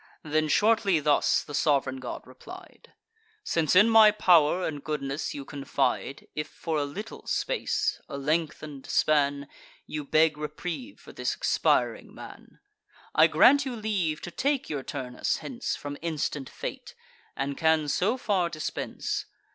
Then shortly thus the sov'reign god replied: "Since in my pow'r and goodness you confide, If for a little space, a lengthen'd span, You beg reprieve for this expiring man, I grant you leave to take your Turnus hence From instant fate, and can so far dispense.